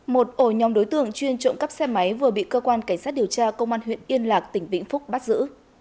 một ổ nhóm đối tượng chuyên trộm cắp xe máy vừa bị cơ quan cảnh sát điều tra công an huyện yên lạc tỉnh vĩnh phúc bắt giữ